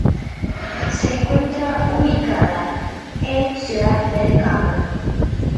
Se encuentra ubicada en Ciudad del Cabo.